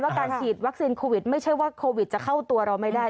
การฉีดวัคซีนโควิดไม่ใช่ว่าโควิดจะเข้าตัวเราไม่ได้